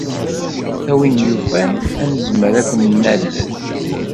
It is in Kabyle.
A win yufan, ad nezmer ad ken-nalel.